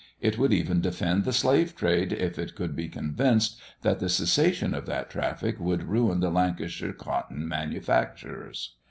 It would even defend the slave trade, if it could be convinced that the cessation of that traffic would ruin the Lancashire cotton manufacturers.